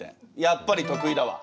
やっぱり得意だわ。